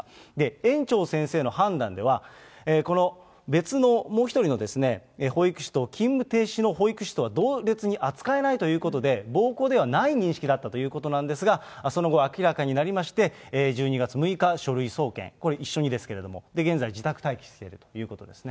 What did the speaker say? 園長先生の判断では、この別の、もう１人の保育士と勤務停止の保育士とは同列に扱えないということで、暴行ではない認識だったということなんですが、その後、明らかになりまして、１２月６日、書類送検、これ、一緒にですけれども、現在、自宅待機しているということですね。